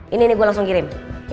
ini nih gue langsung kirim